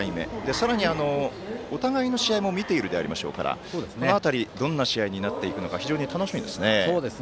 さらにお互いの試合を見ているでしょうからこの辺り、どんな試合になっていくのか非常に楽しみですね。